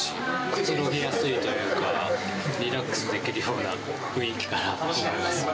くつろぎやすいというか、リラックスできるような雰囲気かなと思います。